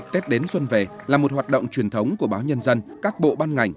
tết đến xuân về là một hoạt động truyền thống của báo nhân dân các bộ ban ngành